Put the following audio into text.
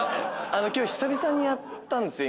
今日久々にやったんですよ